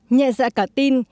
nhẹ dạ cả tin